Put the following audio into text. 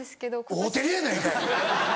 合うてるやないかい！